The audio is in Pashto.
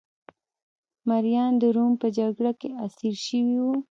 مریان د روم په جګړه کې اسیر شوي وو